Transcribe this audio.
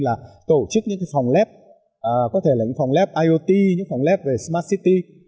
là tổ chức những phòng lab có thể là những phòng lab iot những phòng lab về smart city